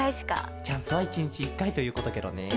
チャンスは１にち１かいということケロね。